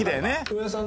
上田さん